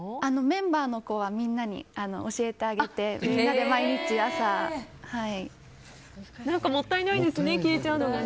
メンバーの子はみんなに教えてあげて皆で毎日、朝。もったいないですね消えちゃうのが。